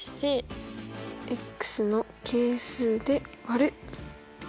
の係数で割る。